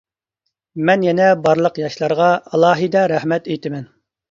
مەن يەنە بارلىق ياشلارغا ئالاھىدە رەھمەت ئېيتىمەن.